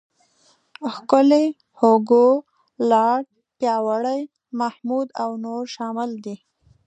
ښکلی، هوګو، لاړ، پیاوړی، محمود او نور شامل دي.